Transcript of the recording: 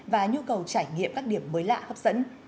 và nhu cầu trải nghiệm các điểm mới lạ hấp dẫn